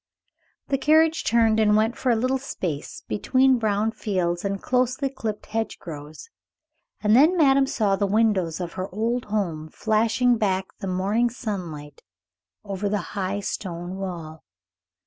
The carriage turned and went for a little space between brown fields and closely clipped hedgerows, and then madame saw the windows of her old home flashing back the morning sunlight over the high stone wall.